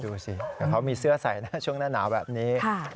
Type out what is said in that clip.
ดูสิแต่เขามีเสื้อใส่นะช่วงหน้าหนาวแบบนี้